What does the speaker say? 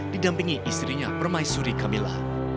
didampingi istrinya permaisuri camilla